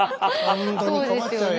本当に困っちゃうよ。